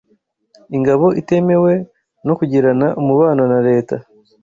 ingabo itemewe no kugirana umubano na leta